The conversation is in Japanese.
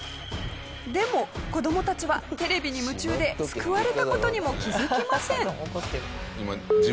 でも子どもたちはテレビに夢中で救われた事にも気づきません。